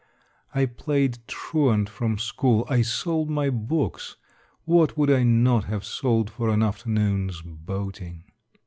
I played truant from school, I sold my books. What would I not have sold for an afternoon's boating